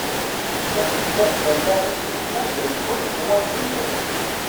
Taselmadt allaɣ-is wissen anda yewweḍ d wanda ires.